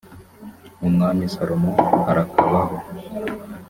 umwami salomo arakabaho